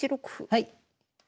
はい。